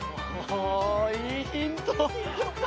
いいヒント。